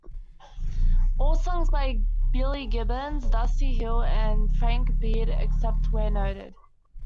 All songs by Billy Gibbons, Dusty Hill and Frank Beard except where noted.